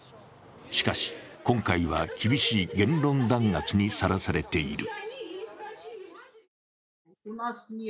しかし、今回は厳しい言論弾圧にさらされている。